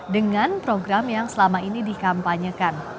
dengan program yang selama ini dikampanyekan